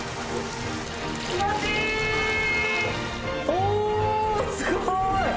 おおすごい！